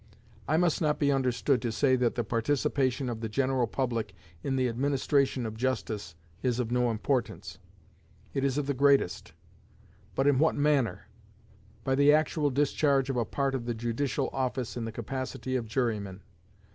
I must not be understood to say that the participation of the general public in the administration of justice is of no importance; it is of the greatest; but in what manner? By the actual discharge of a part of the judicial office in the capacity of jurymen.